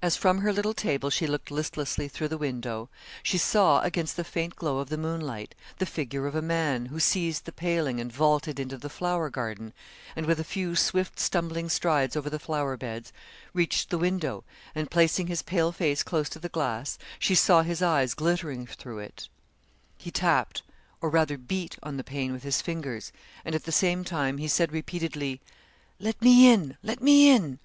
As from her little table she looked listlessly through the window, she saw against the faint glow of the moonlight, the figure of a man who seized the paling and vaulted into the flower garden, and with a few swift, stumbling strides over the flower beds, reached the window, and placing his pale face close to the glass, she saw his eyes glittering through it; he tapped or rather beat on the pane with his fingers and at the same time he said, repeatedly: 'Let me in; let me in.'